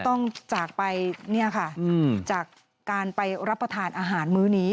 ต้องจากไปเนี่ยค่ะจากการไปรับประทานอาหารมื้อนี้